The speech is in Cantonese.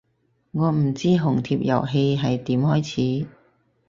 我唔知紅帖遊戲係點開始